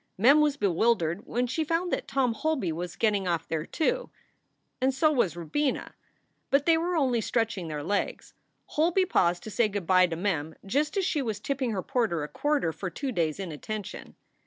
Mem was bewildered when she found that Tom Holby was getting off there, too. And so was Robina. But they were only stretching their legs. Holby paused to say good by to Mem just as she was tipping her porter a quarter for two days inattention.